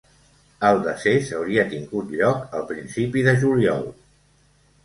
El decés hauria tingut lloc al principi de juliol.